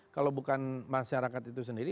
kalau bukan masyarakat itu sendiri